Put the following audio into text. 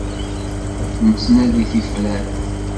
Nettnadi tifrat.